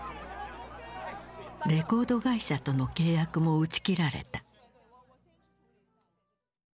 レコード会社との契約も打ち切られた。